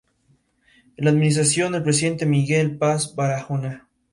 Le fascinaba la astronomía, y era buena en matemáticas y ciencias en el colegio.